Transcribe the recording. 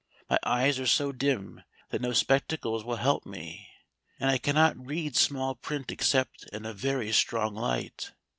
My eyes are so dim that no spectacles will help me, and I cannot read small print except in a very strong light.